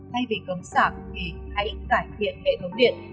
thay vì cấm sạc thì hãy cải thiện hệ thống điện